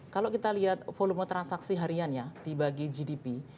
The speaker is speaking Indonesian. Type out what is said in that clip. kalau kita lihat volume transaksi hariannya dibagi gdp